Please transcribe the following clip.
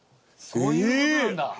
そういう事なんだ。